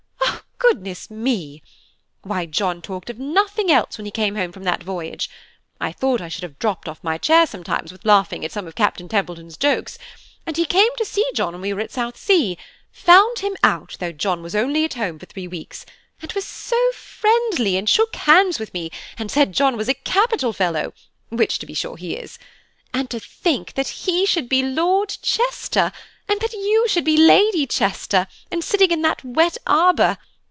Goodness me! why, John talked of nothing else when he came home from that voyage! I thought I should have dropped off my chair sometimes with laughing at some of Captain Templeton's jokes; and he came to see John when we were at Southsea–found him out though John was at home only for three weeks–and was so friendly, and shook hands with me, and said John was a capital fellow, which to be sure he is. And to think that he should be Lord Chester–and that you should be Lady Chester, and sitting in that wet arbour!